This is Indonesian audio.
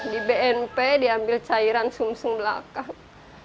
di bnp diambil cairan sungsung belakang